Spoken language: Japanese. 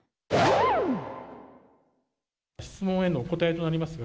質問へのお答えとなりますが、